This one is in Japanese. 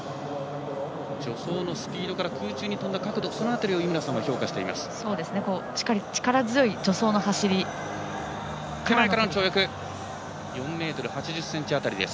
助走のスピードから空中に跳んだ角度その辺りを井村さん、評価しています。